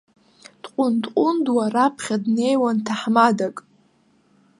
Дҟәындҟәындуа раԥхьа днеиуан ҭаҳмадак.